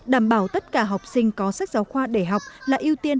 đảm bảo tất cả học sinh có sách giáo khoa để học là ưu tiên